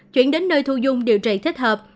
chuyển đến nơi thu dung điều trị thích hợp